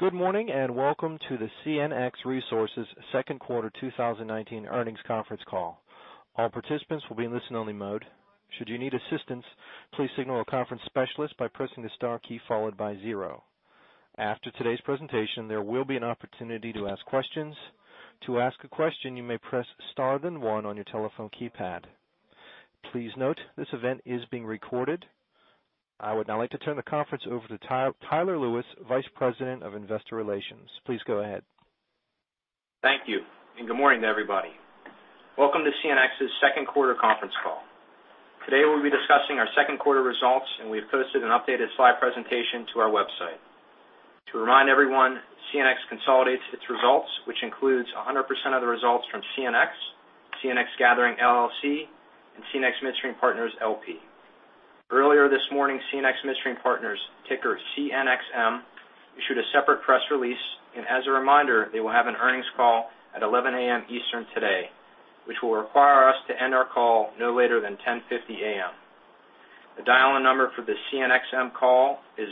Good morning, and welcome to the CNX Resources second quarter 2019 earnings conference call. All participants will be in listen only mode. Should you need assistance, please signal a conference specialist by pressing the star key followed by zero. After today's presentation, there will be an opportunity to ask questions. To ask a question, you may press star, then one on your telephone keypad. Please note, this event is being recorded. I would now like to turn the conference over to Tyler Lewis, Vice President, Investor Relations. Please go ahead. Thank you, and good morning to everybody. Welcome to CNX's second quarter conference call. Today, we'll be discussing our second quarter results, and we have posted an updated slide presentation to our website. To remind everyone, CNX consolidates its results, which includes 100% of the results from CNX Gathering LLC, and CNX Midstream Partners LP. Earlier this morning, CNX Midstream Partners, ticker CNXM, issued a separate press release. As a reminder, they will have an earnings call at 11:00 A.M. Eastern today, which will require us to end our call no later than 10:50 A.M. The dial-in number for the CNXM call is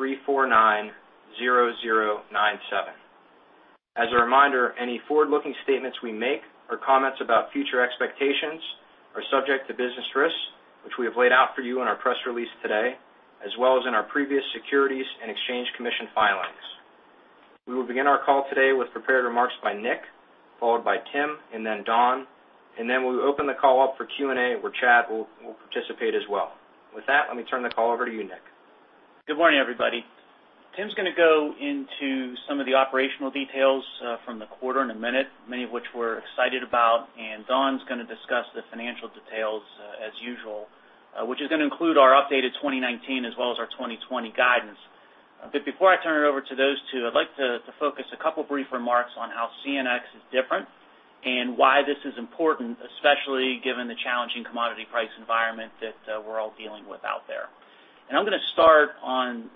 1-888-349-0097. As a reminder, any forward-looking statements we make or comments about future expectations are subject to business risks, which we have laid out for you in our press release today, as well as in our previous Securities and Exchange Commission filings. We will begin our call today with prepared remarks by Nick, followed by Tim, and then Don, and then we'll open the call up for Q&A, where Chad will participate as well. With that, let me turn the call over to you, Nick. Good morning, everybody. Tim's going to go into some of the operational details from the quarter in a minute, many of which we're excited about. Don's going to discuss the financial details as usual, which is going to include our updated 2019 as well as our 2020 guidance. Before I turn it over to those two, I'd like to focus a couple brief remarks on how CNX is different and why this is important, especially given the challenging commodity price environment that we're all dealing with out there. I'm going to start on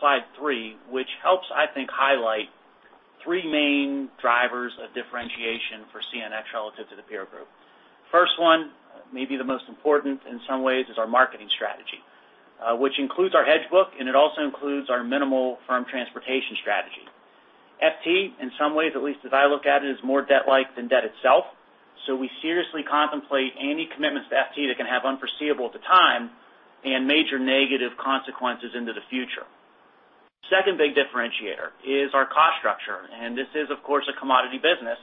slide three, which helps, I think, highlight three main drivers of differentiation for CNX relative to the peer group. First one, maybe the most important in some ways, is our marketing strategy, which includes our hedge book, and it also includes our minimal firm transportation strategy. FT, in some ways, at least as I look at it, is more debt-like than debt itself, so we seriously contemplate any commitments to FT that can have unforeseeable at the time and major negative consequences into the future. Second big differentiator is our cost structure, and this is, of course, a commodity business,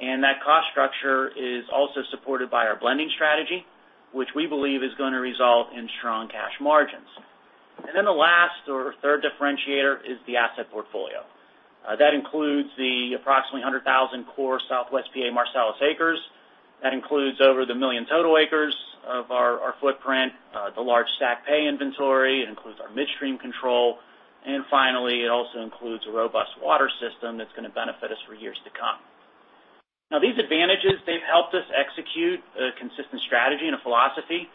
and that cost structure is also supported by our blending strategy, which we believe is going to result in strong cash margins. Then the last or third differentiator is the asset portfolio. That includes the approximately 100,000 core Southwest PA Marcellus acres. That includes over the million total acres of our footprint, the large stacked pay inventory. It includes our midstream control, and finally, it also includes a robust water system that's going to benefit us for years to come. Now, these advantages, they've helped us execute a consistent strategy and a philosophy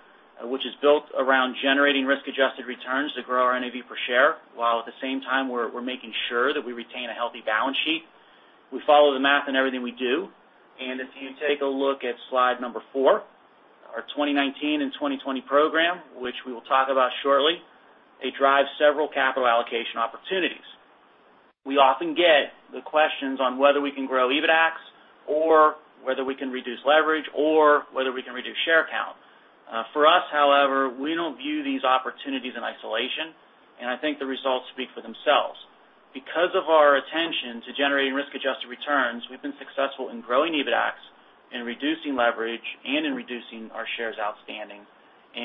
which is built around generating risk-adjusted returns to grow our NAV per share, while at the same time, we're making sure that we retain a healthy balance sheet. We follow the math in everything we do. If you take a look at slide number four, our 2019 and 2020 program, which we will talk about shortly, they drive several capital allocation opportunities. We often get the questions on whether we can grow EBITDAX or whether we can reduce leverage or whether we can reduce share count. For us, however, we don't view these opportunities in isolation, and I think the results speak for themselves. Because of our attention to generating risk-adjusted returns, we've been successful in growing EBITDAX and reducing leverage and in reducing our shares outstanding.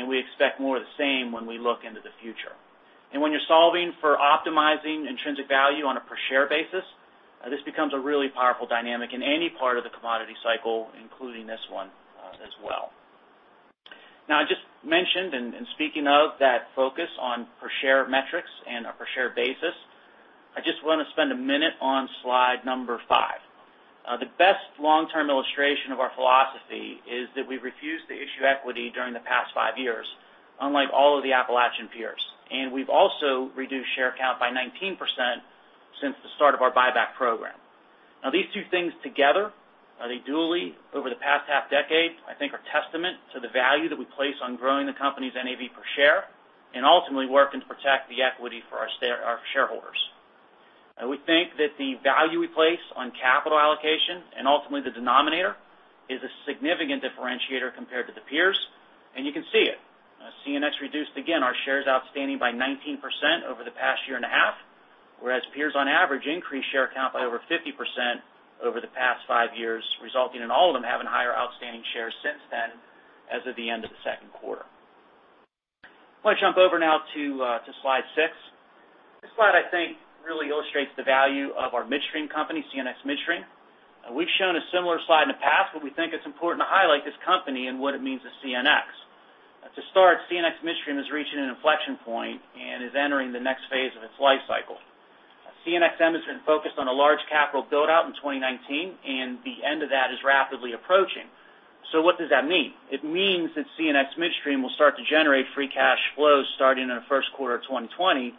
We expect more of the same when we look into the future. When you're solving for optimizing intrinsic value on a per share basis, this becomes a really powerful dynamic in any part of the commodity cycle, including this one as well. Now, I just mentioned, and speaking of that focus on per share metrics and a per share basis, I just want to spend a minute on slide number five. The best long-term illustration of our philosophy is that we've refused to issue equity during the past five years, unlike all of the Appalachian peers. We've also reduced share count by 19% since the start of our buyback program. Now, these two things together, they dually over the past half decade, I think are testament to the value that we place on growing the company's NAV per share and ultimately working to protect the equity for our shareholders. We think that the value we place on capital allocation and ultimately the denominator is a significant differentiator compared to the peers, and you can see it. CNX reduced, again, our shares outstanding by 19% over the past year and a half, whereas peers on average increased share count by over 50% over the past five years, resulting in all of them having higher outstanding shares since then as of the end of the second quarter. I want to jump over now to slide six. This slide, I think, really illustrates the value of our midstream company, CNX Midstream. We've shown a similar slide in the past, but we think it's important to highlight this company and what it means to CNX. To start, CNX Midstream is reaching an inflection point and is entering the next phase of its life cycle. CNXM has been focused on a large capital build-out in 2019, and the end of that is rapidly approaching. What does that mean? It means that CNX Midstream will start to generate free cash flows starting in the first quarter of 2020,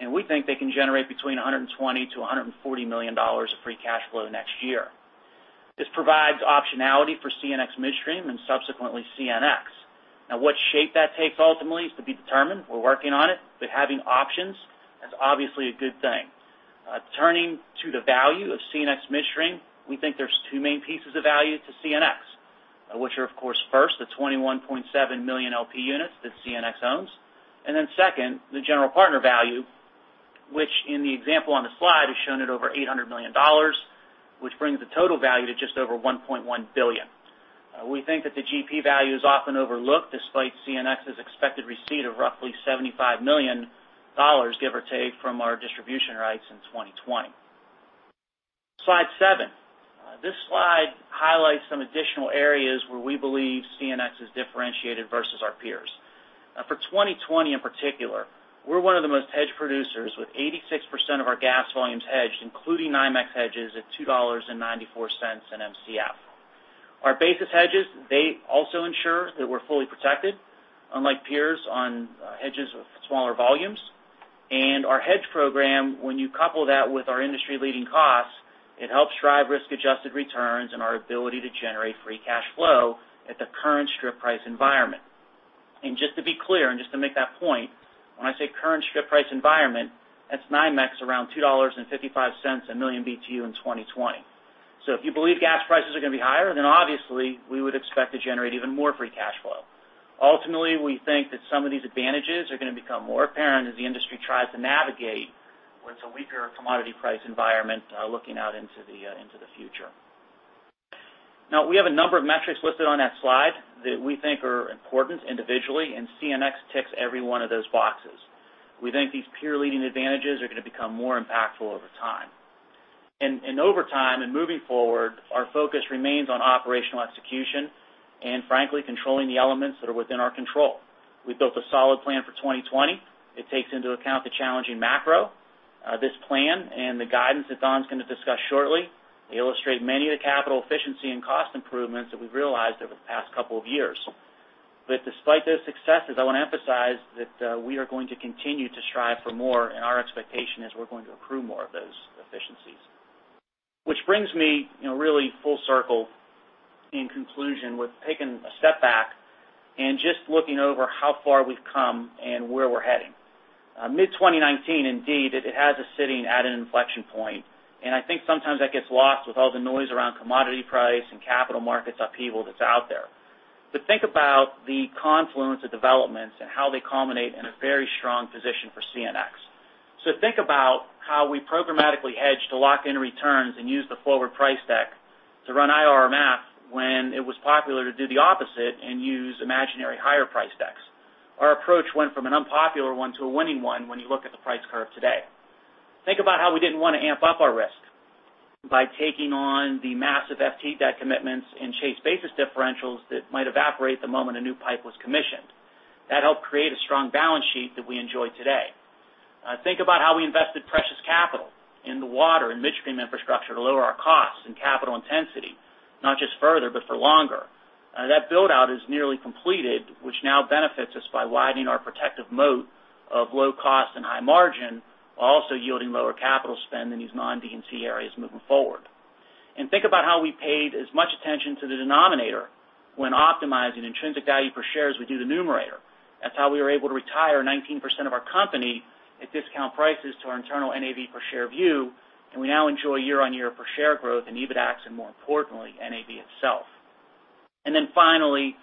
and we think they can generate between $120 million-$140 million of free cash flow next year. This provides optionality for CNX Midstream, and subsequently CNX. What shape that takes ultimately is to be determined. We're working on it, but having options is obviously a good thing. Turning to the value of CNX Midstream, we think there's two main pieces of value to CNX, which are, of course, first, the 21.7 million LP units that CNX owns, and then second, the general partner value, which in the example on the slide is shown at over $800 million, which brings the total value to just over $1.1 billion. We think that the GP value is often overlooked, despite CNX's expected receipt of roughly $75 million, give or take, from our distribution rights in 2020. Slide seven. This slide highlights some additional areas where we believe CNX is differentiated versus our peers. For 2020 in particular, we're one of the most hedged producers, with 86% of our gas volumes hedged, including NYMEX hedges at $2.94 in Mcf. Our basis hedges, they also ensure that we're fully protected, unlike peers on hedges with smaller volumes. Our hedge program, when you couple that with our industry-leading costs, it helps drive risk-adjusted returns and our ability to generate free cash flow at the current strip price environment. Just to be clear, and just to make that point, when I say current strip price environment, that's NYMEX around $2.55 a million BTU in 2020. If you believe gas prices are going to be higher, then obviously we would expect to generate even more free cash flow. Ultimately, we think that some of these advantages are going to become more apparent as the industry tries to navigate what's a weaker commodity price environment looking out into the future. We have a number of metrics listed on that slide that we think are important individually, CNX ticks every one of those boxes. We think these peer-leading advantages are going to become more impactful over time. Over time, and moving forward, our focus remains on operational execution, and frankly, controlling the elements that are within our control. We built a solid plan for 2020. It takes into account the challenging macro. This plan and the guidance that Don's going to discuss shortly illustrate many of the capital efficiency and cost improvements that we've realized over the past couple of years. Despite those successes, I want to emphasize that we are going to continue to strive for more, and our expectation is we're going to accrue more of those efficiencies. Which brings me really full circle in conclusion with taking a step back and just looking over how far we've come and where we're heading. mid-2019 indeed, it has us sitting at an inflection point, and I think sometimes that gets lost with all the noise around commodity price and capital markets upheaval that's out there. Think about the confluence of developments and how they culminate in a very strong position for CNX. Think about how we programmatically hedged to lock in returns and use the forward price deck to run IRR math when it was popular to do the opposite and use imaginary higher price decks. Our approach went from an unpopular one to a winning one when you look at the price curve today. Think about how we didn't want to amp up our risk by taking on the massive FT debt commitments and chase basis differentials that might evaporate the moment a new pipe was commissioned. That helped create a strong balance sheet that we enjoy today. Think about how we invested precious capital in the water and midstream infrastructure to lower our costs and capital intensity, not just further, but for longer. That build-out is nearly completed, which now benefits us by widening our protective moat of low cost and high margin, while also yielding lower capital spend in these non-D&C areas moving forward. Think about how we paid as much attention to the denominator when optimizing intrinsic value per share as we do the numerator. That's how we were able to retire 19% of our company at discount prices to our internal NAV per share view, and we now enjoy year-on-year per share growth in EBITDAX, and more importantly, NAV itself. Finally,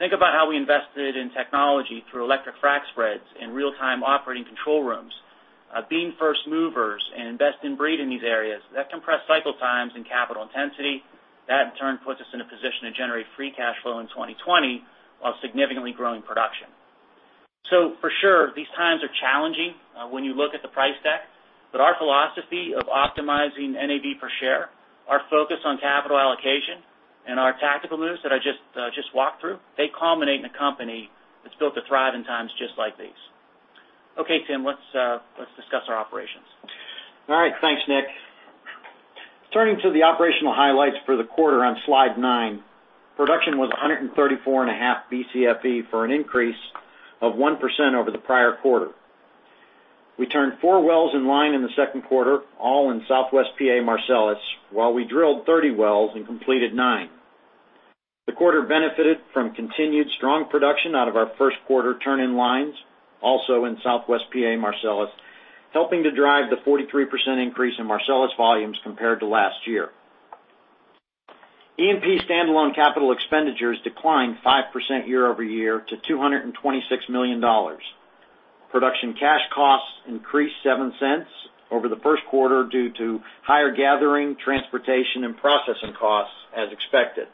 think about how we invested in technology through electric frac spreads and real-time operating control rooms. Being first movers and best in breed in these areas, that compressed cycle times and capital intensity. That, in turn, puts us in a position to generate free cash flow in 2020 while significantly growing production. For sure, these times are challenging when you look at the price deck, but our philosophy of optimizing NAV per share, our focus on capital allocation, and our tactical moves that I just walked through, they culminate in a company that's built to thrive in times just like these. Tim, let's discuss our operations. All right. Thanks, Nick. Turning to the operational highlights for the quarter on slide nine, production was 134.5 Bcfe for an increase of 1% over the prior quarter. We turned four wells in line in the second quarter, all in Southwest PA Marcellus, while we drilled 30 wells and completed nine. The quarter benefited from continued strong production out of our first quarter turn-in-lines, also in Southwest PA Marcellus, helping to drive the 43% increase in Marcellus volumes compared to last year. E&P standalone capital expenditures declined 5% year-over-year to $226 million. Production cash costs increased $0.07 over the first quarter due to higher gathering, transportation, and processing costs as expected.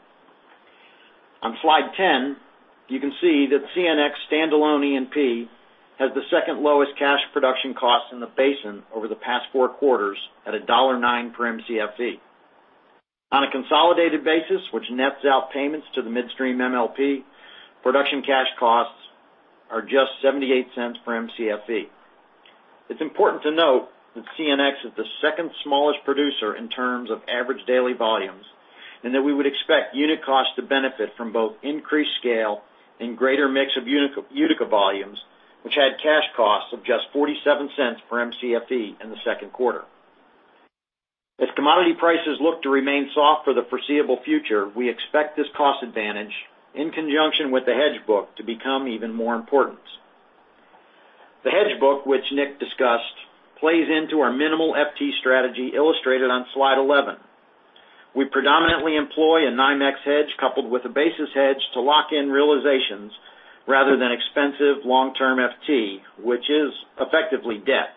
On slide 10, you can see that CNX standalone E&P has the second lowest cash production cost in the basin over the past four quarters at $1.09 per Mcfe. On a consolidated basis, which nets out payments to the midstream MLP, production cash costs are just $0.78 per Mcfe. It's important to note that CNX is the second smallest producer in terms of average daily volumes, and that we would expect unit cost to benefit from both increased scale and greater mix of Utica volumes, which had cash costs of just $0.47 per Mcfe in the second quarter. As commodity prices look to remain soft for the foreseeable future, we expect this cost advantage, in conjunction with the hedge book, to become even more important. The hedge book, which Nick discussed, plays into our minimal FT strategy illustrated on slide 11. We predominantly employ a NYMEX hedge coupled with a basis hedge to lock in realizations rather than expensive long-term FT, which is effectively debt.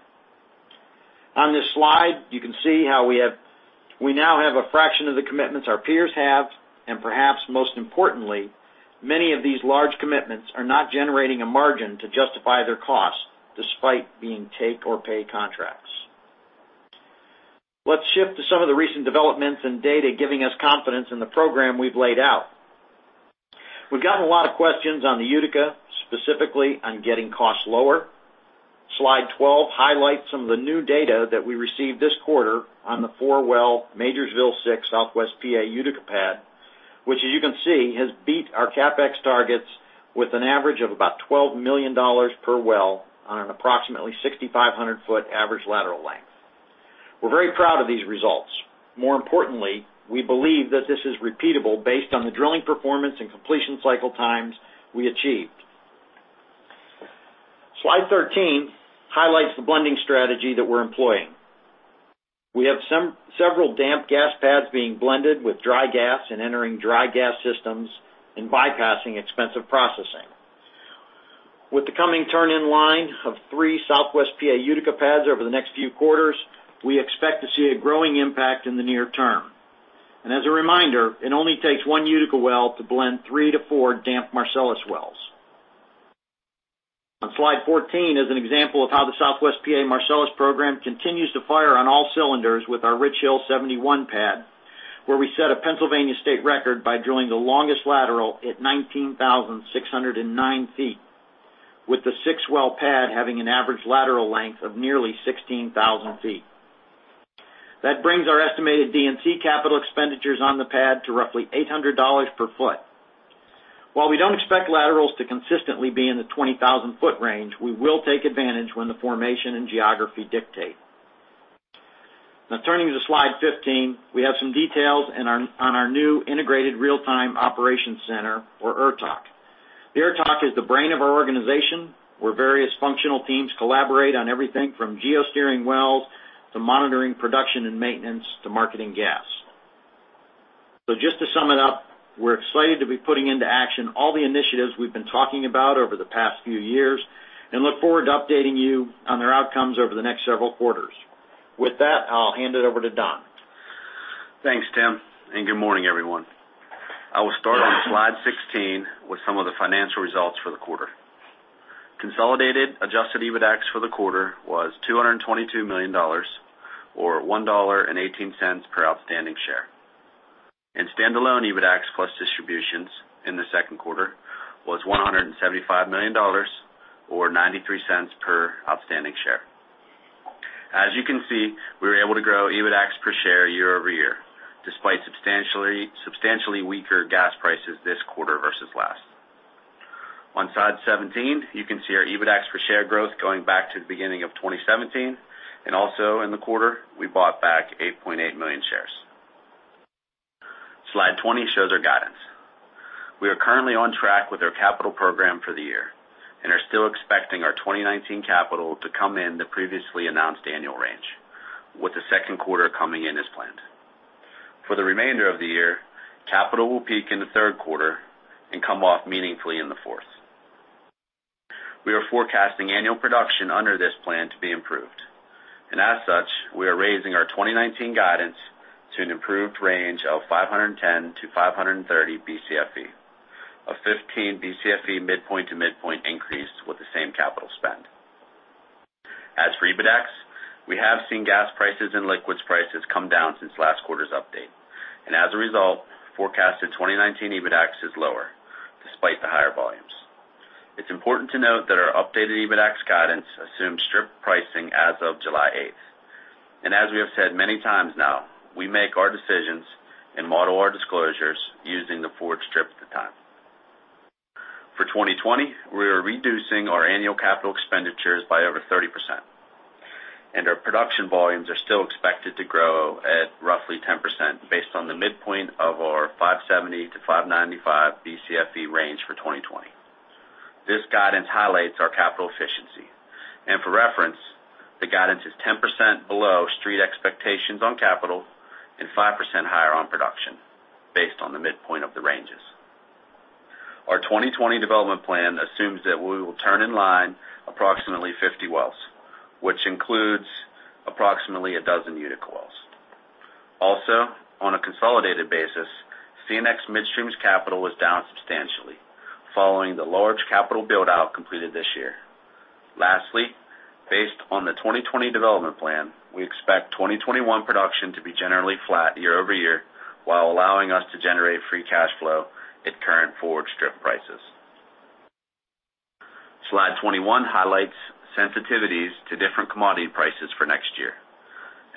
On this slide, you can see how we now have a fraction of the commitments our peers have, perhaps most importantly, many of these large commitments are not generating a margin to justify their cost despite being take or pay contracts. Let's shift to some of the recent developments in data giving us confidence in the program we've laid out. We've gotten a lot of questions on the Utica, specifically on getting costs lower. Slide 12 highlights some of the new data that we received this quarter on the four-well Majorsville 6 Southwest PA Utica pad, which as you can see, has beat our CapEx targets with an average of about $12 million per well on an approximately 6,500-foot average lateral length. We're very proud of these results. More importantly, we believe that this is repeatable based on the drilling performance and completion cycle times we achieved. Slide 13 highlights the blending strategy that we're employing. We have several damp gas pads being blended with dry gas and entering dry gas systems and bypassing expensive processing. With the coming turn in line of three Southwest P.A. Utica pads over the next few quarters, we expect to see a growing impact in the near term. As a reminder, it only takes one Utica well to blend three to four damp Marcellus wells. On slide 14 is an example of how the Southwest PA Marcellus program continues to fire on all cylinders with our Richhill 71 pad, where we set a Pennsylvania state record by drilling the longest lateral at 19,609 feet, with the six-well pad having an average lateral length of nearly 16,000 feet. That brings our estimated D&C capital expenditures on the pad to roughly $800 per foot. While we don't expect laterals to consistently be in the 20,000-foot range, we will take advantage when the formation and geography dictate. Turning to slide 15, we have some details on our new Integrated Real-Time Operation Center, or IRTOC. The IRTOC is the brain of our organization, where various functional teams collaborate on everything from geosteering wells to monitoring production and maintenance to marketing gas. Just to sum it up, we're excited to be putting into action all the initiatives we've been talking about over the past few years, and look forward to updating you on their outcomes over the next several quarters. With that, I'll hand it over to Don. Thanks, Tim. Good morning, everyone. I will start on slide 16 with some of the financial results for the quarter. Consolidated adjusted EBITDAX for the quarter was $222 million, or $1.18 per outstanding share. In standalone, EBITDAX plus distributions in the second quarter was $175 million, or $0.93 per outstanding share. As you can see, we were able to grow EBITDAX per share year-over-year, despite substantially weaker gas prices this quarter versus last. On slide 17, you can see our EBITDAX per share growth going back to the beginning of 2017, and also in the quarter, we bought back 8.8 million shares. Slide 20 shows our guidance. We are currently on track with our capital program for the year and are still expecting our 2019 capital to come in the previously announced annual range, with the second quarter coming in as planned. For the remainder of the year, capital will peak in the third quarter and come off meaningfully in the fourth. We are forecasting annual production under this plan to be improved. As such, we are raising our 2019 guidance to an improved range of 510-530 Bcfe, a 15 Bcfe midpoint to midpoint increase with the same capital spend. As for EBITDAX, we have seen gas prices and liquids prices come down since last quarter's update, and as a result, forecasted 2019 EBITDAX is lower despite the higher volumes. It's important to note that our updated EBITDAX guidance assumes strip pricing as of July 8th. As we have said many times now, we make our decisions and model our disclosures using the forward strip at the time. For 2020, we are reducing our annual capital expenditures by over 30%, and our production volumes are still expected to grow at roughly 10% based on the midpoint of our 570-595 Bcfe range for 2020. This guidance highlights our capital efficiency, and for reference, the guidance is 10% below street expectations on capital and 5% higher on production based on the midpoint of the ranges. Our 2020 development plan assumes that we will turn in line approximately 50 wells, which includes approximately a dozen Utica wells. Also, on a consolidated basis, CNX Midstream's capital was down substantially following the large capital build-out completed this year. Lastly, based on the 2020 development plan, we expect 2021 production to be generally flat year-over-year while allowing us to generate free cash flow at current forward strip prices. Slide 21 highlights sensitivities to different commodity prices for next year.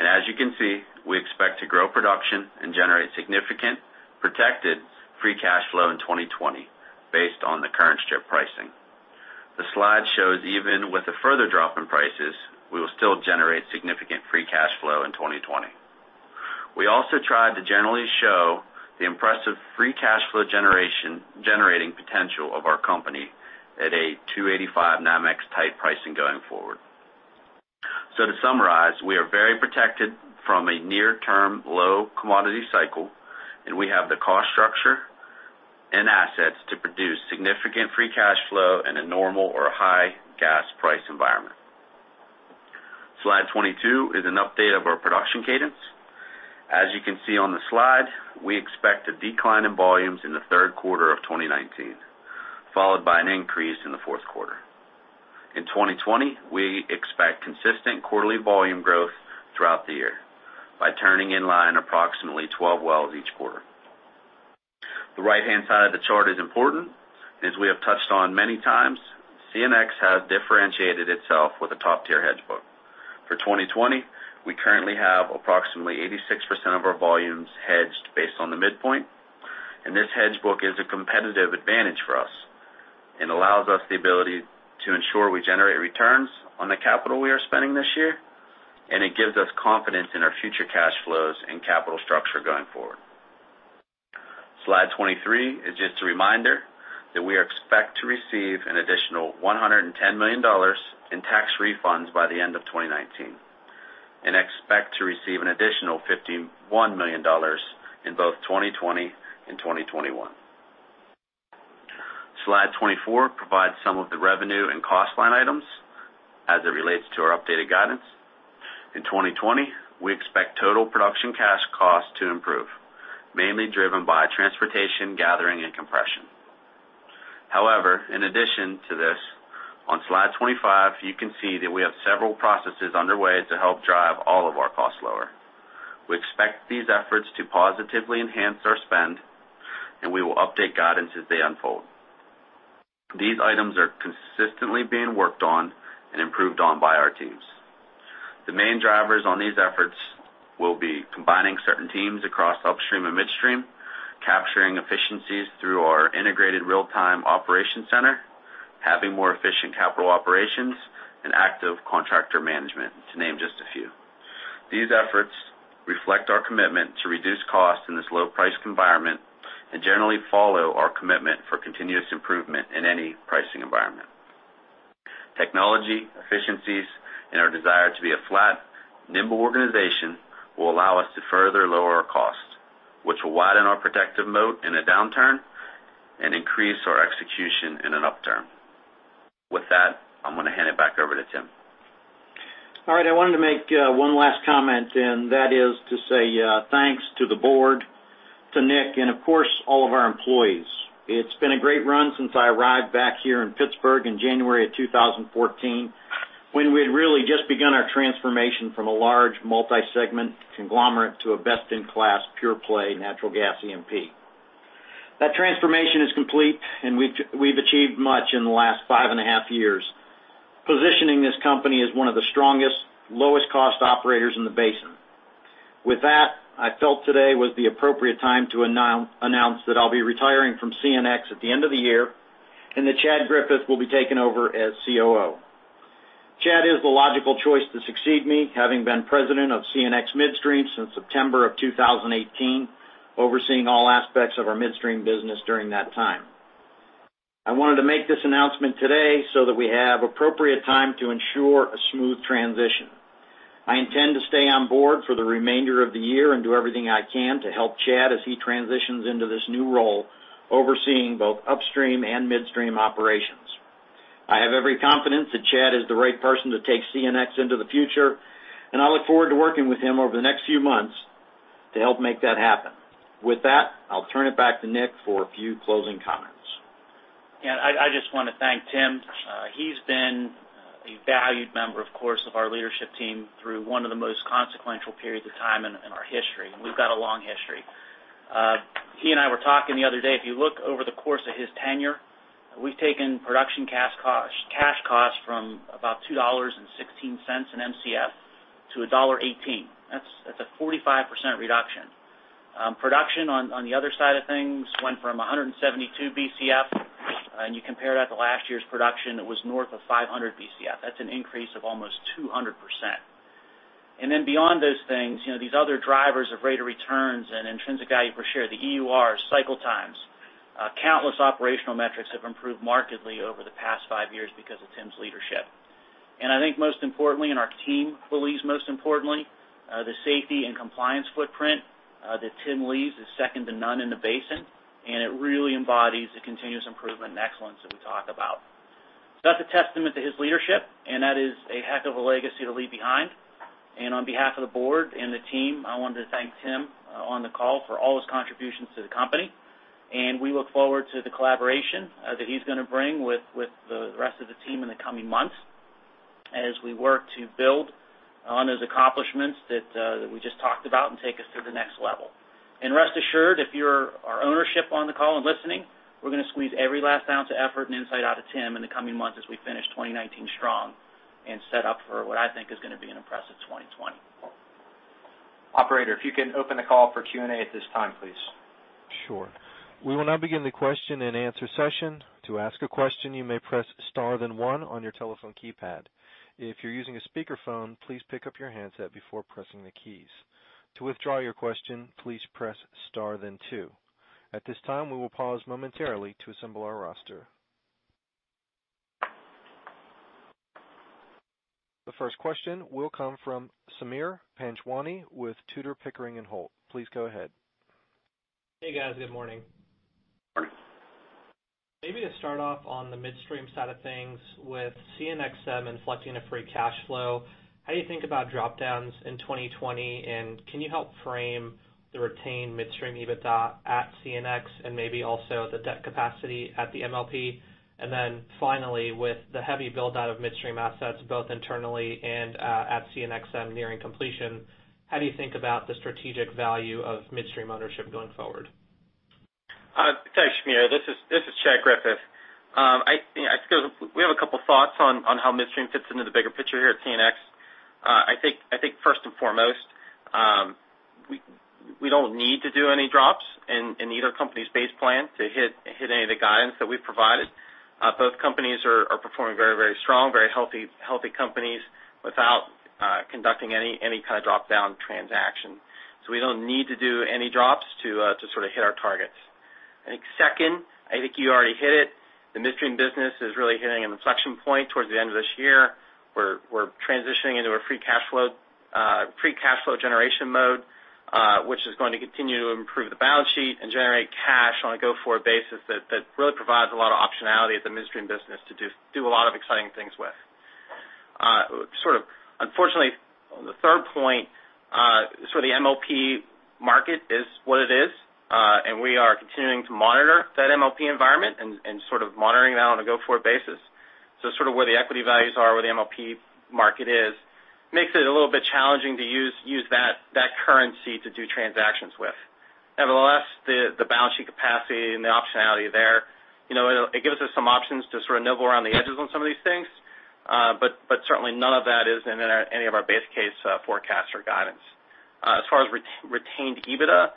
You can see, we expect to grow production and generate significant protected free cash flow in 2020 based on the current strip pricing. The slide shows even with a further drop in prices, we will still generate significant free cash flow in 2020. We also tried to generally show the impressive free cash flow generating potential of our company at a 285 NYMEX type pricing going forward. To summarize, we are very protected from a near-term low commodity cycle, and we have the cost structure and assets to produce significant free cash flow in a normal or high gas price environment. Slide 22 is an update of our production cadence. As you can see on the slide, we expect a decline in volumes in the third quarter of 2019, followed by an increase in the fourth quarter. In 2020, we expect consistent quarterly volume growth throughout the year by turning in line approximately 12 wells each quarter. The right-hand side of the chart is important. As we have touched on many times, CNX has differentiated itself with a top-tier hedge book. For 2020, we currently have approximately 86% of our volumes hedged based on the midpoint, and this hedge book is a competitive advantage for us and allows us the ability to ensure we generate returns on the capital we are spending this year, and it gives us confidence in our future cash flows and capital structure going forward. Slide 23 is just a reminder that we expect to receive an additional $110 million in tax refunds by the end of 2019, and expect to receive an additional $51 million in both 2020 and 2021. Slide 24 provides some of the revenue and cost line items as it relates to our updated guidance. In 2020, we expect total production cash costs to improve, mainly driven by transportation, gathering, and compression. However, in addition to this, on slide 25, you can see that we have several processes underway to help drive all of our costs lower. We expect these efforts to positively enhance our spend, and we will update guidance as they unfold. These items are consistently being worked on and improved on by our teams. The main drivers on these efforts will be combining certain teams across upstream and midstream, capturing efficiencies through our Integrated Real-Time Operation Center, having more efficient capital operations, and active contractor management, to name just a few. These efforts reflect our commitment to reduce costs in this low-price environment and generally follow our commitment for continuous improvement in any pricing environment. Technology, efficiencies, and our desire to be a flat, nimble organization will allow us to further lower our costs, which will widen our protective moat in a downturn and increase our execution in an upturn. With that, I'm going to hand it back over to Tim. All right, I wanted to make one last comment, and that is to say thanks to the board, to Nick, and of course, all of our employees. It's been a great run since I arrived back here in Pittsburgh in January of 2014, when we had really just begun our transformation from a large multi-segment conglomerate to a best-in-class pure-play natural gas E&P. That transformation is complete, and we've achieved much in the last five and a half years, positioning this company as one of the strongest, lowest-cost operators in the basin. With that, I felt today was the appropriate time to announce that I'll be retiring from CNX at the end of the year, and that Chad Griffith will be taking over as COO. Chad is the logical choice to succeed me, having been president of CNX Midstream since September of 2018, overseeing all aspects of our midstream business during that time. I wanted to make this announcement today so that we have appropriate time to ensure a smooth transition. I intend to stay on board for the remainder of the year and do everything I can to help Chad as he transitions into this new role, overseeing both upstream and midstream operations. I have every confidence that Chad is the right person to take CNX into the future, and I look forward to working with him over the next few months to help make that happen. With that, I'll turn it back to Nick for a few closing comments. Yeah, I just want to thank Tim. He's been a valued member, of course, of our leadership team through one of the most consequential periods of time in our history, and we've got a long history. He and I were talking the other day. If you look over the course of his tenure, we've taken production cash costs from about $2.16 in Mcfe to $1.18. That's a 45% reduction. Production on the other side of things went from 172 Bcf, and you compare that to last year's production, it was north of 500 Bcf. That's an increase of almost 200%. Beyond those things, these other drivers of rate of returns and intrinsic value per share, the EUR cycle times, countless operational metrics have improved markedly over the past five years because of Tim's leadership. I think most importantly, and our team believes most importantly, the safety and compliance footprint that Tim leaves is second to none in the basin, and it really embodies the continuous improvement and excellence that we talk about. That's a testament to his leadership, and that is a heck of a legacy to leave behind. On behalf of the board and the team, I wanted to thank Tim on the call for all his contributions to the company. We look forward to the collaboration that he's going to bring with the rest of the team in the coming months as we work to build on those accomplishments that we just talked about and take us to the next level. Rest assured, if you're our ownership on the call and listening, we're going to squeeze every last ounce of effort and insight out of Tim in the coming months as we finish 2019 strong and set up for what I think is going to be an impressive 2020. Operator, if you can open the call for Q&A at this time, please. Sure. We will now begin the question and answer session. To ask a question, you may press star then one on your telephone keypad. If you're using a speakerphone, please pick up your handset before pressing the keys. To withdraw your question, please press star then two. At this time, we will pause momentarily to assemble our roster. The first question will come from Sameer Panjwani with Tudor, Pickering, and Holt. Please go ahead. Hey, guys. Good morning. Morning. Maybe to start off on the midstream side of things with CNXM inflecting a free cash flow, how do you think about drop-downs in 2020, and can you help frame the retained midstream EBITDA at CNX and maybe also the debt capacity at the MLP? Then finally, with the heavy build-out of midstream assets, both internally and at CNXM nearing completion, how do you think about the strategic value of midstream ownership going forward? Thanks, Sameer. This is Chad Griffith. We have a couple thoughts on how midstream fits into the bigger picture here at CNX. I think first and foremost, we don't need to do any drops in either company's base plan to hit any of the guidance that we've provided. Both companies are performing very strong, very healthy companies without conducting any kind of drop-down transaction. We don't need to do any drops to sort of hit our targets. I think second, I think you already hit it. The midstream business is really hitting an inflection point towards the end of this year. We're transitioning into a free cash flow generation mode, which is going to continue to improve the balance sheet and generate cash on a go-forward basis that really provides a lot of optionality at the midstream business to do a lot of exciting things with. Sort of unfortunately, the third point, the MLP market is what it is. We are continuing to monitor that MLP environment and sort of monitoring that on a go-forward basis. Sort of where the equity values are, where the MLP market is, makes it a little bit challenging to use that currency to do transactions with. Nevertheless, the balance sheet capacity and the optionality there, it gives us some options to sort of nibble around the edges on some of these things. Certainly none of that is in any of our base case forecasts or guidance. As far as retained EBITDA,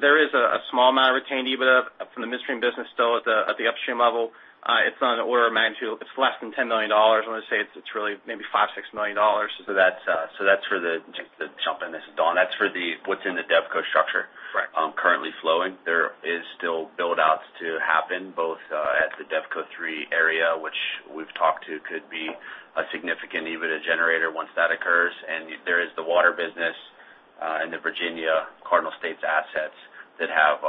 there is a small amount of retained EBITDA from the midstream business still at the upstream level. It's on an order of magnitude. It's less than $10 million. I want to say it's really maybe $5 million, $6 million. To jump in, this is Don. That is for what is in the DevCo structure. Right currently flowing. There is still build-outs to happen both at the DevCo III area, which we've talked to could be a significant EBITDA generator once that occurs. There is the water business, and the Virginia Cardinal States assets that have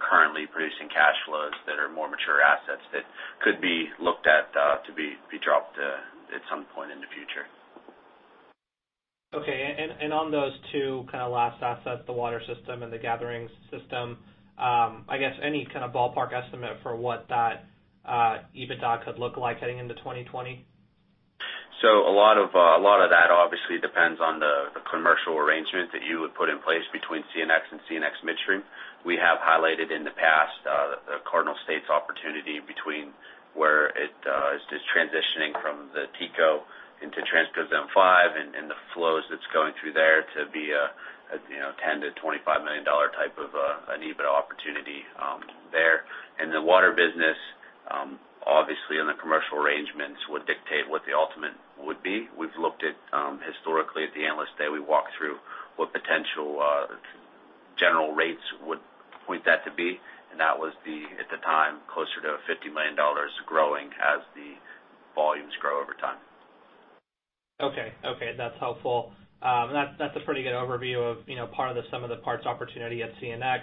currently producing cash flows that are more mature assets that could be looked at to be dropped at some point in the future. Okay. On those two kind of last assets, the water system and the gathering system, I guess any kind of ballpark estimate for what that EBITDA could look like heading into 2020? A lot of that obviously depends on the commercial arrangement that you would put in place between CNX and CNX Midstream. We have highlighted in the past the Cardinal States opportunity between where it is transitioning from the TICO into Transco DM5 and the flows that's going through there to be a $10 million-$25 million type of an EBITDA opportunity there. The water business, obviously, and the commercial arrangements would dictate what the ultimate would be. We've looked at historically at the Analyst Day, we walked through what potential general rates would point that to be, and that was at the time closer to $50 million growing as the volumes grow over time. Okay. That's helpful. That's a pretty good overview of part of the sum of the parts opportunity at CNX.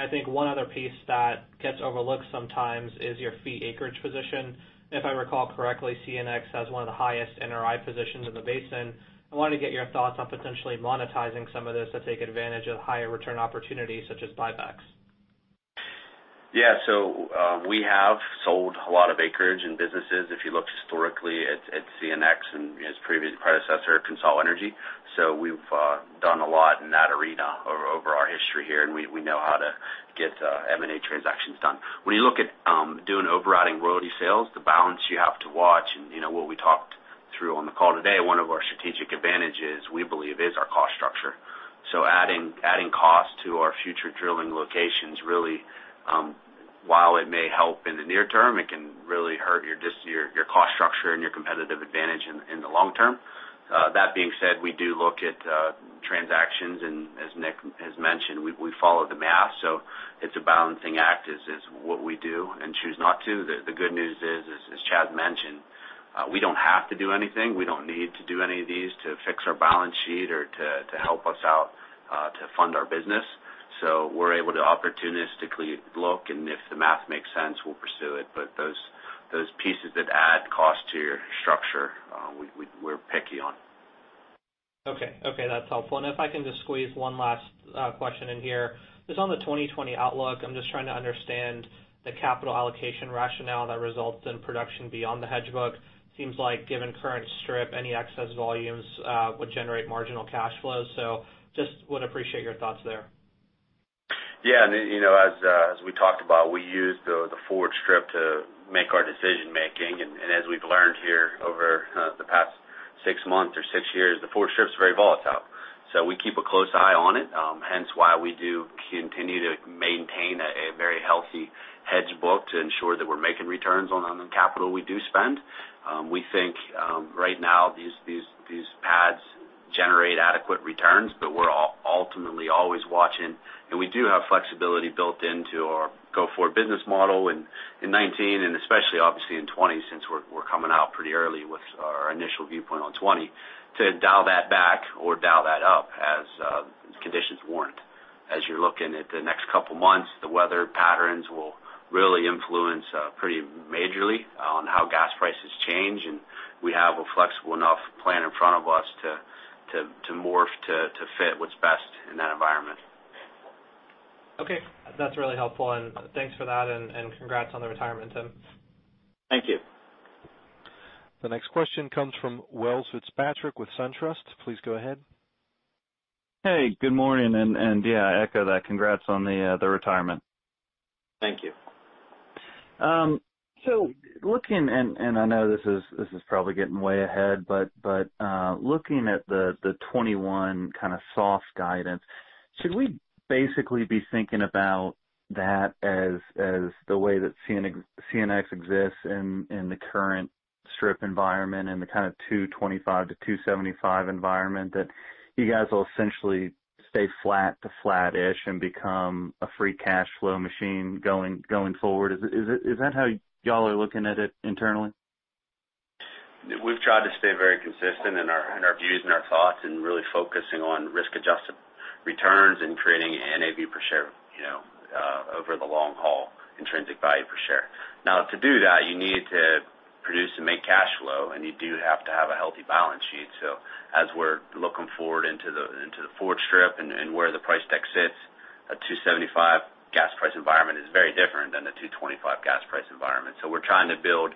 I think one other piece that gets overlooked sometimes is your fee acreage position. If I recall correctly, CNX has one of the highest NRI positions in the basin. I wanted to get your thoughts on potentially monetizing some of this to take advantage of higher return opportunities such as buybacks. We have sold a lot of acreage and businesses, if you look historically at CNX and its previous predecessor, CONSOL Energy. We've done a lot in that arena over our history here, and we know how to get M&A transactions done. When you look at doing overriding royalty sales, the balance you have to watch, and what we talked through on the call today, one of our strategic advantages, we believe, is our cost structure. Adding cost to our future drilling locations, really, while it may help in the near term, it can really hurt your cost structure and your competitive advantage in the long term. That being said, we do look at transactions, and as Nick has mentioned, we follow the math. It's a balancing act is what we do, and choose not to. The good news is, as Chad mentioned, we don't have to do anything. We don't need to do any of these to fix our balance sheet or to help us out to fund our business. We're able to opportunistically look, and if the math makes sense, we'll pursue it. Those pieces that add cost to your structure, we're picky on. Okay. That's helpful. If I can just squeeze one last question in here. Just on the 2020 outlook, I'm just trying to understand the capital allocation rationale that results in production beyond the hedge book. Seems like given current strip, any excess volumes would generate marginal cash flows. Just would appreciate your thoughts there. Yeah. As we talked about, we use the forward strip to make our decision-making. As we've learned here over the past six months or six years, the forward strip's very volatile. We keep a close eye on it, hence why we do continue to maintain a very healthy hedge book to ensure that we're making returns on the capital we do spend. We think right now these pads generate adequate returns, but we're ultimately always watching. We do have flexibility built into our go-forward business model in 2019, and especially obviously in 2020, since we're coming out pretty early with our initial viewpoint on 2020, to dial that back or dial that up as conditions warrant. As you're looking at the next couple of months, the weather patterns will really influence pretty majorly on how gas prices change. We have a flexible enough plan in front of us to morph to fit what's best in that environment. Okay. That's really helpful, and thanks for that, and congrats on the retirement, Tim. Thank you. The next question comes from Welles Fitzpatrick with SunTrust. Please go ahead. Hey, good morning. Yeah, I echo that. Congrats on the retirement. Thank you. Looking, and I know this is probably getting way ahead, but looking at the 2021 soft guidance, should we basically be thinking about that as the way that CNX exists in the current strip environment and the kind of 225 to 275 environment that you guys will essentially stay flat to flat-ish and become a free cash flow machine going forward? Is that how you all are looking at it internally? We've tried to stay very consistent in our views and our thoughts and really focusing on risk-adjusted returns and creating NAV per share over the long haul, intrinsic value per share. To do that, you need to produce and make cash flow, you do have to have a healthy balance sheet. As we're looking forward into the forward strip and where the price deck sits, a 275 gas price environment is very different than the 225 gas price environment. We're trying to build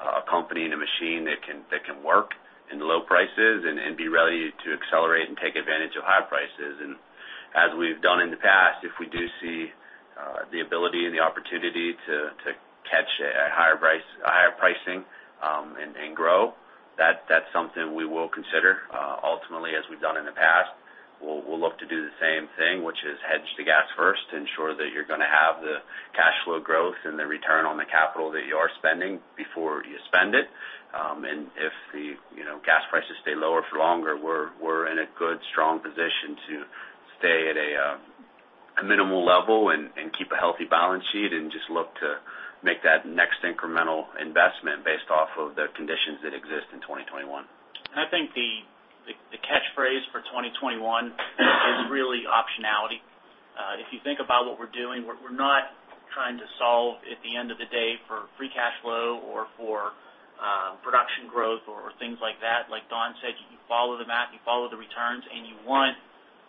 a company and a machine that can work in low prices and be ready to accelerate and take advantage of high prices. As we've done in the past, if we do see the ability and the opportunity to catch a higher pricing and grow, that's something we will consider. Ultimately, as we've done in the past, we'll look to do the same thing, which is hedge the gas first to ensure that you're going to have the cash flow growth and the return on the capital that you are spending before you spend it. If the gas prices stay lower for longer, we're in a good, strong position to stay at a minimal level and keep a healthy balance sheet and just look to make that next incremental investment based off of the conditions that exist in 2021. I think the catchphrase for 2021 is really optionality. If you think about what we're doing, we're not trying to solve at the end of the day for free cash flow or for production growth or things like that. Like Don said, you follow the math, you follow the returns, and you want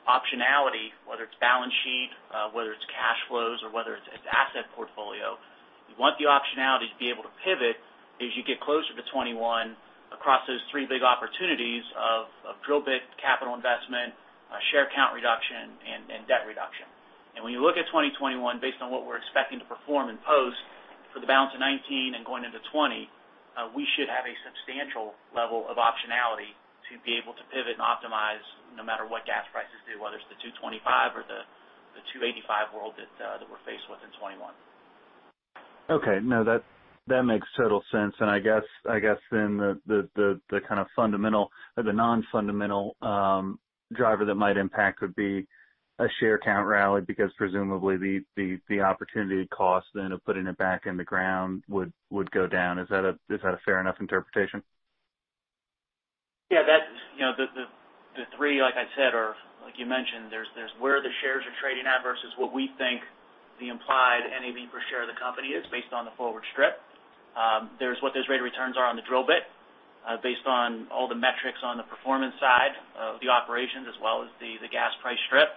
optionality, whether it's balance sheet, whether it's cash flows, or whether it's asset portfolio. You want the optionality to be able to pivot as you get closer to 2021 across those three big opportunities of drill bit capital investment, share count reduction, and debt reduction. When you look at 2021, based on what we're expecting to perform in post for the balance of 2019 and going into 2020, we should have a substantial level of optionality to be able to pivot and optimize no matter what gas prices do, whether it's the $2.25 or the $2.85 world that we're faced with in 2021. Okay. No, that makes total sense. I guess the non-fundamental driver that might impact would be a share count rally because presumably the opportunity cost then of putting it back in the ground would go down. Is that a fair enough interpretation? The three, like I said, or like you mentioned, there's where the shares are trading at versus what we think the implied NAV per share of the company is based on the forward strip. There's what those rate of returns are on the drill bit based on all the metrics on the performance side of the operations as well as the gas price strip.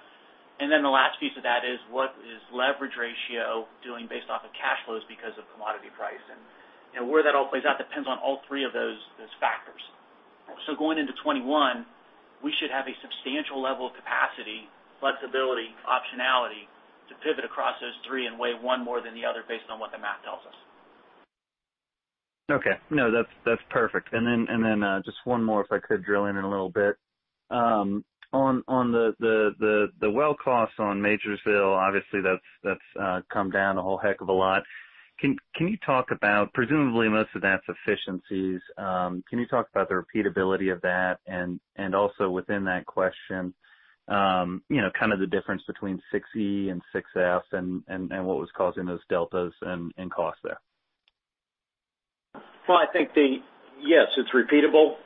The last piece of that is what is leverage ratio doing based off of cash flows because of commodity pricing. Where that all plays out depends on all three of those factors. Going into 2021, we should have a substantial level of capacity, flexibility, optionality to pivot across those three and weigh one more than the other based on what the math tells us. Okay. No, that's perfect. Just one more, if I could drill in a little bit. On the well costs on Majorsville, obviously that's come down a whole heck of a lot. Presumably, most of that's efficiencies. Can you talk about the repeatability of that, and also within that question, the difference between 6E and 6F and what was causing those deltas in cost there? Well, I think, yes, it's repeatable.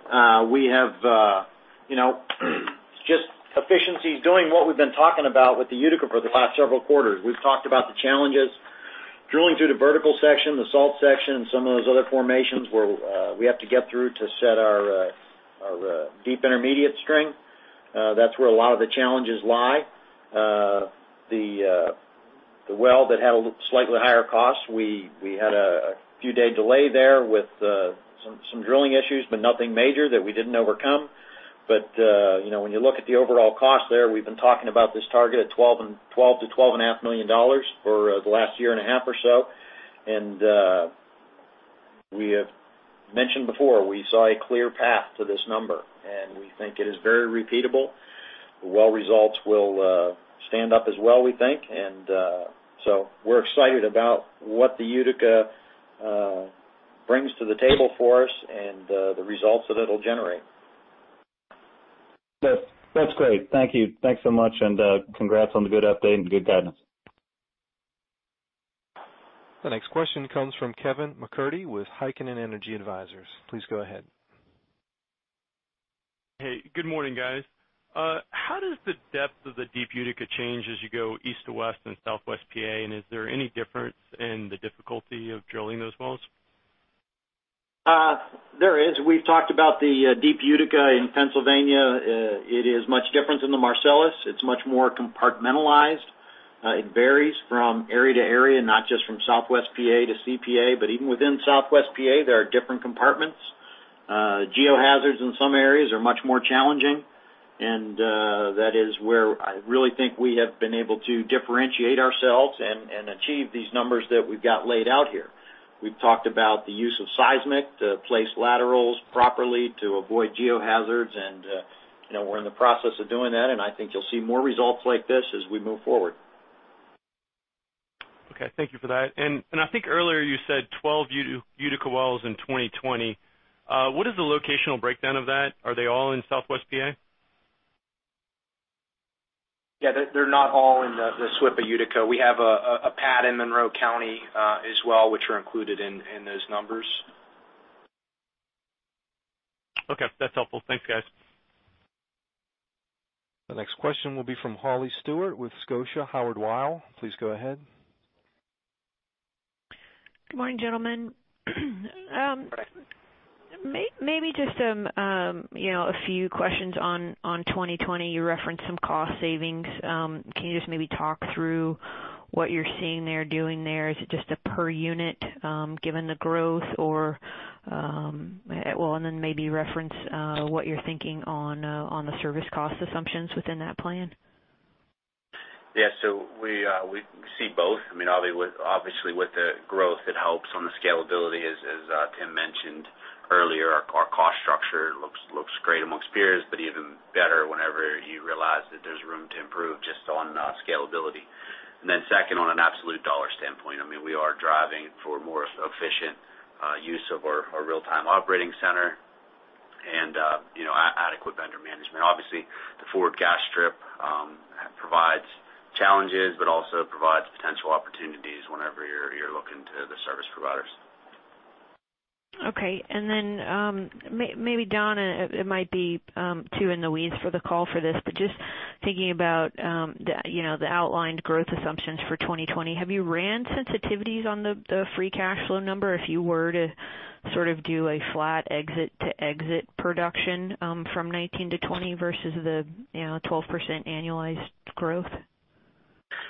It's just efficiencies, doing what we've been talking about with the Utica for the past several quarters. We've talked about the challenges drilling through the vertical section, the salt section, and some of those other formations where we have to get through to set our deep intermediate string. That's where a lot of the challenges lie. The well that had a slightly higher cost, we had a few day delay there with some drilling issues. Nothing major that we didn't overcome. When you look at the overall cost there, we've been talking about this target of $12 million-$12.5 million for the last year and a half or so. We have mentioned before, we saw a clear path to this number, and we think it is very repeatable. The well results will stand up as well, we think. We're excited about what the Utica brings to the table for us and the results that it'll generate. That's great. Thank you. Thanks so much, and congrats on the good update and the good guidance. The next question comes from Kevin MacCurdy with Heikkinen Energy Advisors. Please go ahead. Hey, good morning, guys. How does the depth of the deep Utica change as you go east to west in southwest P.A.? Is there any difference in the difficulty of drilling those wells? There is. We've talked about the deep Utica in Pennsylvania. It is much different than the Marcellus. It's much more compartmentalized. It varies from area to area, not just from Southwest PA to CPA, but even within Southwest PA, there are different compartments. geo hazards in some areas are much more challenging, and that is where I really think we have been able to differentiate ourselves and achieve these numbers that we've got laid out here. We've talked about the use of seismic to place laterals properly to avoid geo hazards, and we're in the process of doing that, and I think you'll see more results like this as we move forward. Okay. Thank you for that. I think earlier you said 12 Utica wells in 2020. What is the locational breakdown of that? Are they all in southwest P.A.? Yeah, they're not all in the SWPA Utica. We have a pad in Monroe County as well, which are included in those numbers. Okay, that's helpful. Thanks, guys. The next question will be from Holly Stewart with Scotia Howard Weil. Please go ahead. Good morning, gentlemen. Maybe just a few questions on 2020. You referenced some cost savings. Can you just maybe talk through what you're seeing there, doing there? Is it just a per unit given the growth or Well, maybe reference what you're thinking on the service cost assumptions within that plan? We see both. Obviously with the growth, it helps on the scalability, as Tim mentioned earlier. Our cost structure looks great amongst peers, but even better whenever you realize that there's room to improve just on scalability. Second, on an absolute dollar standpoint, we are driving for more efficient use of our real-time operating center and adequate vendor management. Obviously, the forward gas strip provides challenges but also provides potential opportunities whenever you're looking to the service providers. Okay. Then maybe, Don, it might be too in the weeds for the call for this, but just thinking about the outlined growth assumptions for 2020, have you ran sensitivities on the free cash flow number if you were to sort of do a flat exit-to-exit production from 2019 to 2020 versus the 12% annualized growth?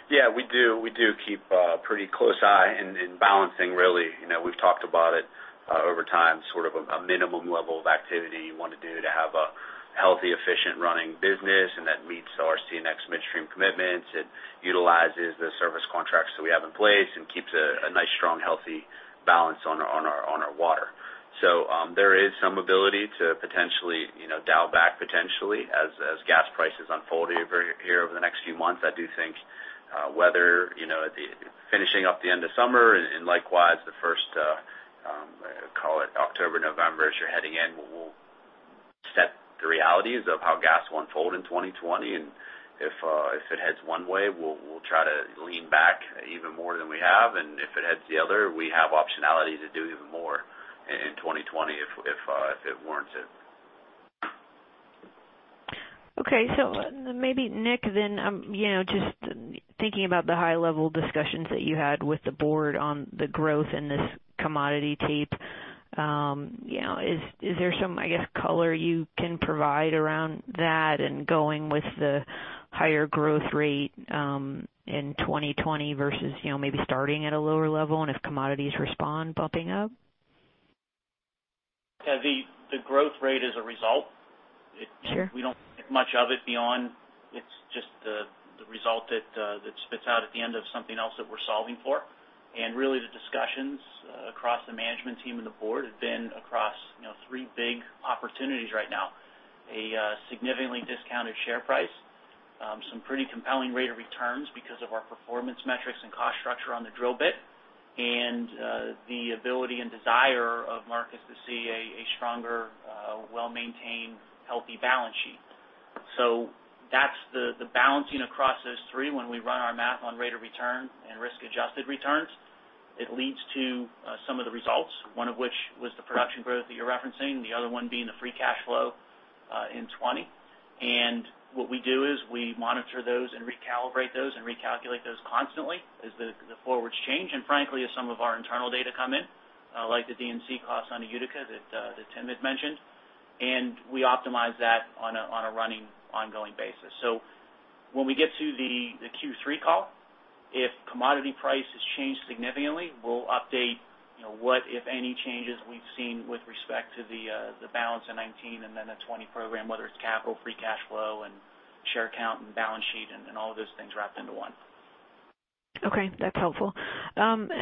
Yeah, we do keep a pretty close eye in balancing, really. We've talked about it over time, sort of a minimum level of activity you want to do to have a healthy, efficient running business, and that meets our CNX Midstream commitments. It utilizes the service contracts that we have in place and keeps a nice, strong, healthy balance on our water. There is some ability to potentially dial back potentially as gas prices unfold here over the next few months. I do think whether finishing up the end of summer and likewise the first, call it October, November, as you're heading in, we'll set the realities of how gas will unfold in 2020. If it heads one way, we'll try to lean back even more than we have. If it heads the other, we have optionality to do even more in 2020 if it warrants it. Okay. Maybe Nick, just thinking about the high-level discussions that you had with the board on the growth in this commodity tape. Is there some color you can provide around that and going with the higher growth rate in 2020 versus maybe starting at a lower level and if commodities respond bumping up? The growth rate is a result. Sure. We don't think much of it beyond It's just the result that spits out at the end of something else that we're solving for. Really, the discussions across the management team and the board have been across three big opportunities right now. A significantly discounted share price, some pretty compelling rate of returns because of our performance metrics and cost structure on the drill bit, and the ability and desire of markets to see a stronger, well-maintained, healthy balance sheet. That's the balancing across those three when we run our math on rate of return and risk-adjusted returns. It leads to some of the results, one of which was the production growth that you're referencing, the other one being the free cash flow in 2020. What we do is we monitor those and recalibrate those and recalculate those constantly as the forwards change, and frankly, as some of our internal data come in, like the D&C costs on the Utica that Tim had mentioned. We optimize that on a running ongoing basis. When we get to the Q3 call, if commodity prices change significantly, we'll update what, if any, changes we've seen with respect to the balance in 2019 and then the 2020 program, whether it's capital, free cash flow, and share count, and balance sheet, and all of those things wrapped into one. Okay, that's helpful. Maybe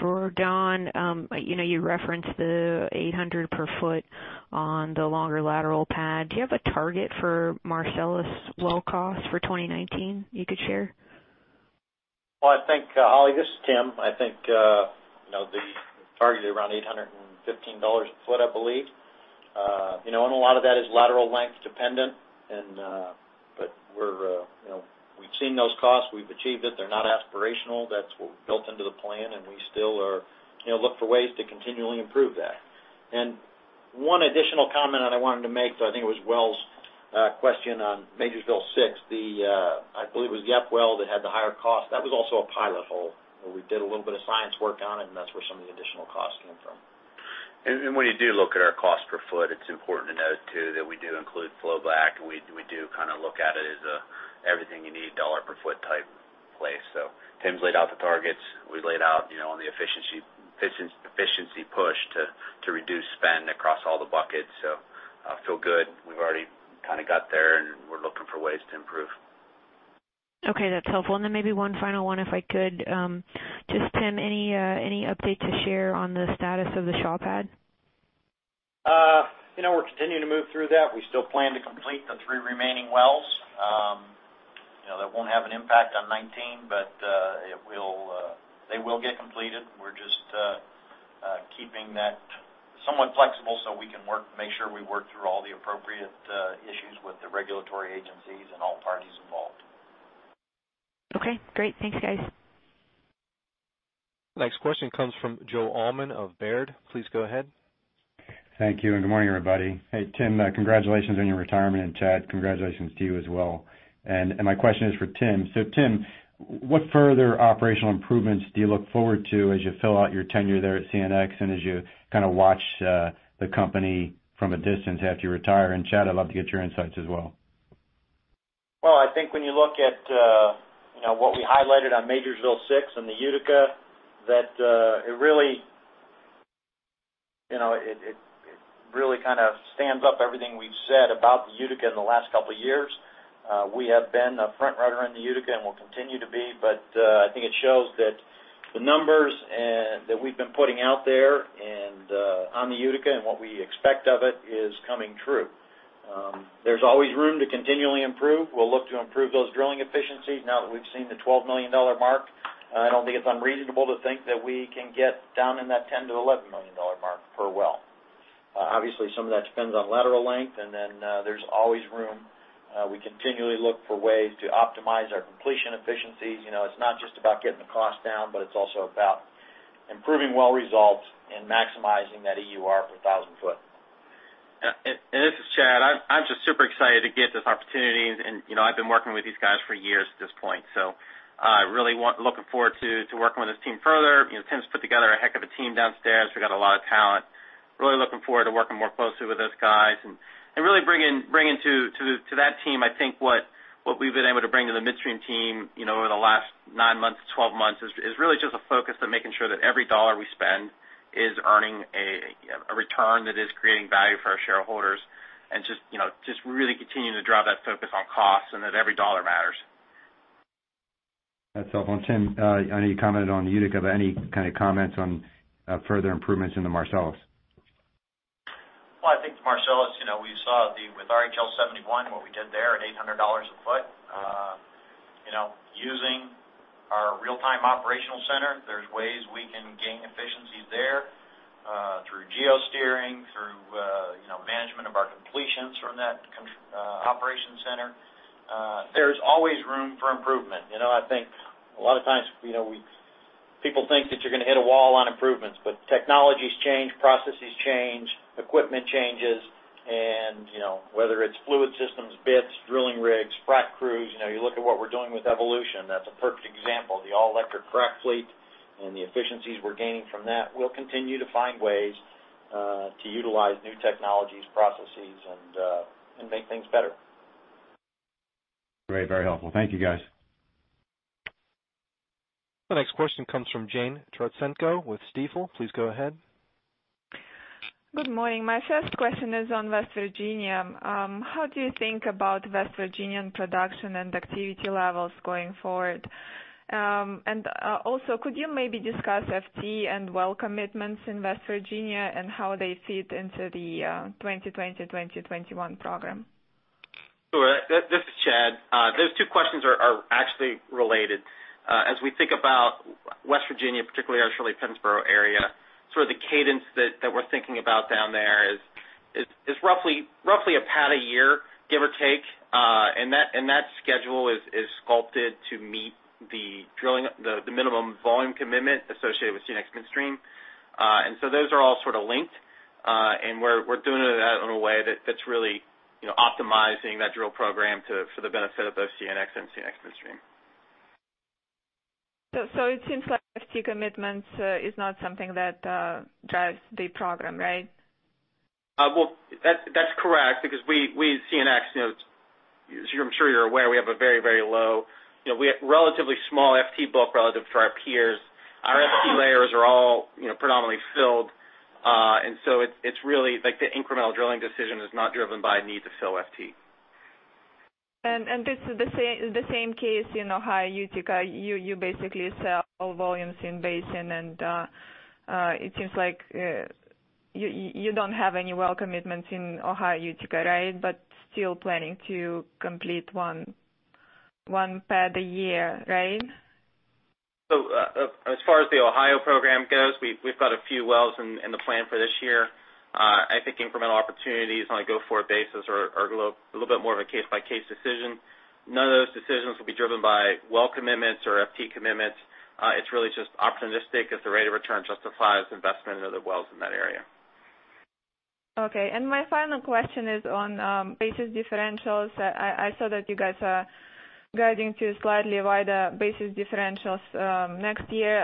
for Don, you referenced the 800 per foot on the longer lateral pad. Do you have a target for Marcellus well cost for 2019 you could share? Well, I think, Holly, this is Tim. I think the target is around $815 a foot, I believe. A lot of that is lateral length dependent. We've seen those costs. We've achieved it. They're not aspirational. That's what we've built into the plan, and we still look for ways to continually improve that. One additional comment that I wanted to make, so I think it was Welles' question on Majorsville 6. I believe it was the up well that had the higher cost. That was also a pilot hole, where we did a little bit of science work on it, and that's where some of the additional costs came from. When you do look at our cost per foot, it's important to note, too, that we do include flowback, and we do look at it as everything you need $ per foot type place. Tim's laid out the targets. We laid out on the efficiency push to reduce spend across all the buckets. I feel good. We've already got there, and we're looking for ways to improve. Okay, that's helpful. Maybe one final one, if I could. Just Tim, any update to share on the status of the Shaw pad? We're continuing to move through that. We still plan to complete the three remaining wells. That won't have an impact on 2019, but they will get completed. We're just keeping that somewhat flexible so we can make sure we work through all the appropriate issues with the regulatory agencies and all parties involved. Okay, great. Thanks, guys. Next question comes from Joseph Allman of Baird. Please go ahead. Thank you, good morning, everybody. Hey, Tim, congratulations on your retirement, and Chad, congratulations to you as well. My question is for Tim. Tim, what further operational improvements do you look forward to as you fill out your tenure there at CNX and as you watch the company from a distance after you retire? Chad, I'd love to get your insights as well. Well, I think when you look at what we highlighted on Majorsville 6 and the Utica, that it really stands up everything we've said about the Utica in the last couple of years. We have been a front-runner in the Utica and will continue to be, but I think it shows that the numbers that we've been putting out there on the Utica and what we expect of it is coming true. There's always room to continually improve. We'll look to improve those drilling efficiencies now that we've seen the $12 million mark. I don't think it's unreasonable to think that we can get down in that $10 million-$11 million mark per well. Obviously, some of that depends on lateral length, and then there's always room. We continually look for ways to optimize our completion efficiencies. It's not just about getting the cost down, but it's also about improving well results and maximizing that EUR per 1,000 foot. This is Chad. I'm just super excited to get this opportunity, and I've been working with these guys for years at this point. I'm really looking forward to working with this team further. Tim's put together a heck of a team downstairs. We've got a lot of talent. Really looking forward to working more closely with those guys and really bringing to that team, I think what we've been able to bring to the midstream team over the last nine months to 12 months is really just a focus on making sure that every dollar we spend is earning a return that is creating value for our shareholders, and just really continuing to drive that focus on costs and that every dollar matters. That's helpful. Tim, I know you commented on Utica, but any kind of comments on further improvements in the Marcellus? Well, I think the Marcellus, we saw with RHL-71, what we did there at $800 a foot. Using our real-time operational center, there's ways we can gain efficiencies there through geo-steering, through management of our completions from that operation center. There's always room for improvement. I think a lot of times, people think that you're going to hit a wall on improvements, but technologies change, processes change, equipment changes, and whether it's fluid systems, bits, drilling rigs, frac crews. You look at what we're doing with Evolution. That's a perfect example. The all-electric frac fleet and the efficiencies we're gaining from that. We'll continue to find ways to utilize new technologies, processes, and make things better. Great. Very helpful. Thank you, guys. The next question comes from Jane Trotsenko with Stifel. Please go ahead. Good morning. My first question is on West Virginia. How do you think about West Virginian production and activity levels going forward? Also, could you maybe discuss FT and well commitments in West Virginia and how they fit into the 2020, 2021 program? Sure. This is Chad. Those two questions are actually related. As we think about West Virginia, particularly our Shirley-Pennsboro area, the cadence that we're thinking about down there is roughly a pad a year, give or take. That schedule is sculpted to meet the minimum volume commitment associated with CNX Midstream. Those are all sort of linked, and we're doing that in a way that's really optimizing that drill program for the benefit of both CNX and CNX Midstream. It seems like FT commitments is not something that drives the program, right? Well, that's correct. We at CNX, as I'm sure you're aware, we have relatively small FT book relative to our peers. Our FT layers are all predominantly filled. It's really the incremental drilling decision is not driven by a need to sell FT. This is the same case in Ohio Utica, you basically sell all volumes in-basin, and it seems like you don't have any well commitments in Ohio Utica, right? Still planning to complete one pad a year, right? As far as the Ohio program goes, we've got a few wells in the plan for this year. I think incremental opportunities on a go-forward basis are a little bit more of a case-by-case decision. None of those decisions will be driven by well commitments or FT commitments. It's really just opportunistic as the rate of return justifies investment into the wells in that area. Okay. My final question is on basis differentials. I saw that you guys are guiding to slightly wider basis differentials next year.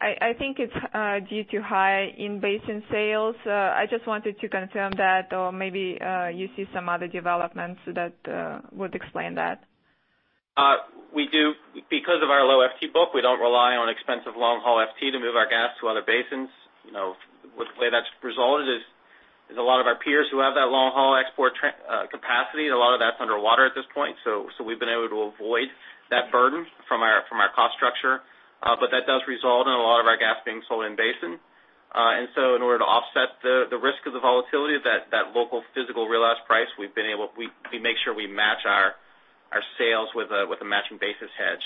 I think it's due to high in-basin sales. I just wanted to confirm that, or maybe you see some other developments that would explain that. We do. Because of our low FT book, we don't rely on expensive long-haul FT to move our gas to other basins. The way that's resulted is a lot of our peers who have that long-haul export capacity, and a lot of that's underwater at this point. We've been able to avoid that burden from our cost structure. That does result in a lot of our gas being sold in-basin. In order to offset the risk of the volatility of that local physical realized price, we make sure we match our sales with a matching basis hedge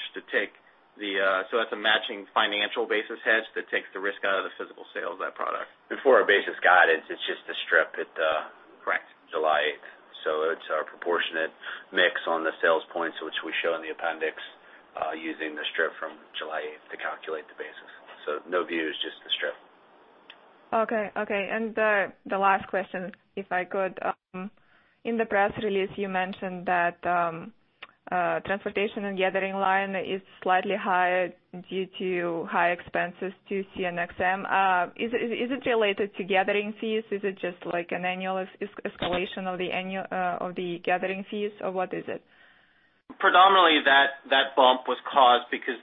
that's a matching financial basis hedge that takes the risk out of the physical sale of that product. For our basis guidance, it's just the strip. Correct July 8th. It's our proportionate mix on the sales points, which we show in the appendix, using the strip from July 8th to calculate the basis. No views, just the strip. Okay. The last question, if I could. In the press release, you mentioned that transportation and gathering line is slightly higher due to high expenses to CNXM. Is it related to gathering fees? Is it just like an annual escalation of the annual gathering fees, or what is it? Predominantly that bump was caused because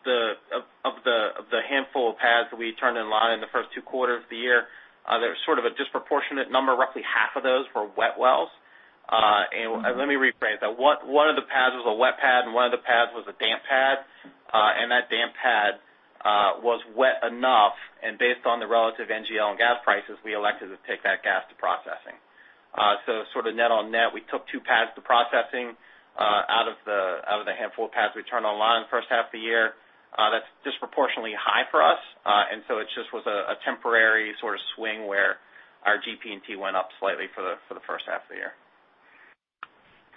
of the handful of pads that we turned in line in the first two quarters of the year. There was sort of a disproportionate number. Roughly half of those were wet wells. Let me rephrase that. One of the pads was a wet pad, and one of the pads was a damp pad. That damp pad was wet enough, and based on the relative NGL and gas prices, we elected to take that gas to processing. Sort of net on net, we took two pads to processing out of the handful of pads we turned online the first half of the year. That's disproportionately high for us. It just was a temporary sort of swing where our GP&T went up slightly for the first half of the year.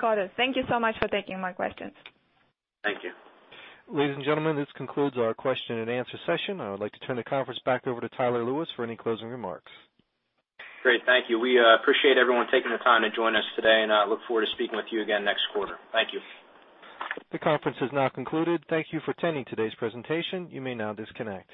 Got it. Thank you so much for taking my questions. Thank you. Ladies and gentlemen, this concludes our question and answer session. I would like to turn the conference back over to Tyler Lewis for any closing remarks. Great. Thank you. We appreciate everyone taking the time to join us today, and I look forward to speaking with you again next quarter. Thank you. The conference is now concluded. Thank you for attending today's presentation. You may now disconnect.